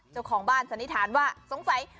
เจ้าของบ้านสันนิษฐานว่าสงสัย